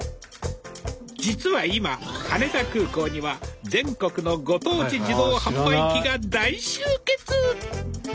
実は今羽田空港には全国のご当地自動販売機が大集結！